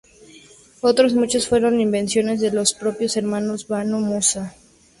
Otros muchos fueron invenciones de los propios hermanos Banu Musa.